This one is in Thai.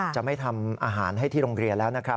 จะไม่ทำอาหารให้ที่โรงเรียนแล้วนะครับ